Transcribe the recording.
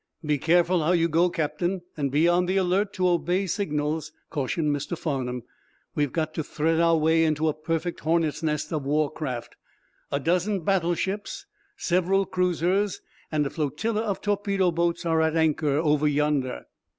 "Be careful how you go, captain, and be on the alert to obey signals," cautioned Mr. Farnum. "We've got to thread our way into a perfect hornet's nest of war craft. A dozen battle ships, several cruisers and a flotilla of torpedo boats are at anchor over yonder."